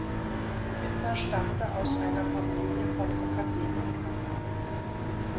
Büttner stammte aus einer Familie von Akademikern.